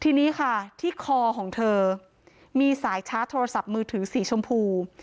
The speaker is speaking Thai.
ทีนี้ค่ะที่คอของเธอมีสายชาร์จโทรศัพท์มือถือสีชมพู